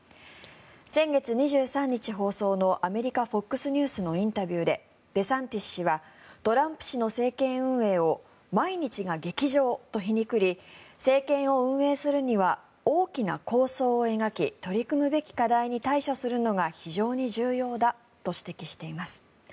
先月２３日放送のアメリカＦＯＸニュースのインタビューでデサンティス氏はトランプ氏の政権運営を毎日が劇場と皮肉り政権を運営するには大きな構想を描き取り組むべき課題に対処するのが非常に重要だと指摘しています。